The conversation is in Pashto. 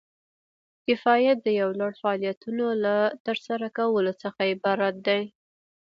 کفایت د یو لړ فعالیتونو له ترسره کولو څخه عبارت دی.